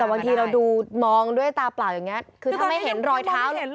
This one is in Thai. แต่บางทีเราดูมองด้วยตาเปล่าอย่างนี้คือถ้าไม่เห็นรอยเท้าเลย